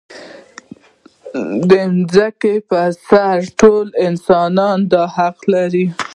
د ځمکې پر سر ټول انسانان دا حق لري.